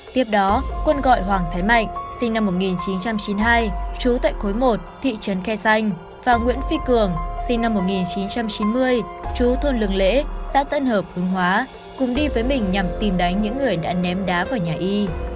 tiếp đó quân gọi hoàng thế mạnh sinh năm một nghìn chín trăm chín mươi hai trú tại khối một thị trấn khe xanh và nguyễn phi cường sinh năm một nghìn chín trăm chín mươi chú thôn lường lễ xã tân hợp hướng hóa cùng đi với mình nhằm tìm đánh những người đã ném đá vào nhà y